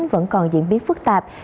vẫn còn diễn biến phức tạp